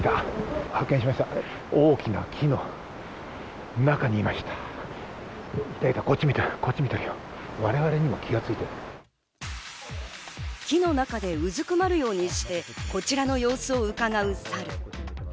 木の中でうずくまるようにしてこちらの様子をうかがうサル。